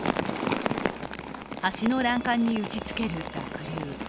橋の欄干に打ちつける濁流。